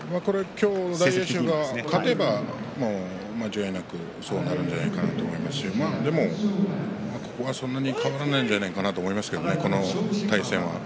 今日勝てば間違いなくそうなるんじゃないかなと思いますしでもここは、こんなにこだわらないんじゃないかなと思います、この対戦は。